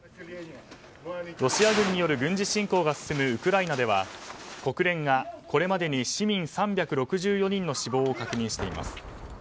ロシア軍による軍事侵攻が進むウクライナでは国連がこれまでに市民３６４人の死亡を確認しています。